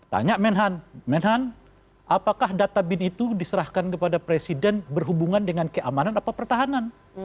tanya menhan menhan apakah data bin itu diserahkan kepada presiden berhubungan dengan keamanan atau pertahanan